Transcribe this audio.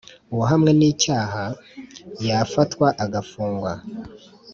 uwahamwe n icyaha y afatwa agafungwa